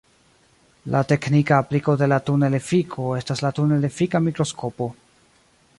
La teknika apliko de la tunel-efiko estas la tunel-efika mikroskopo.